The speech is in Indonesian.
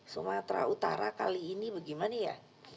sumatera utara kali ini bagaimana ya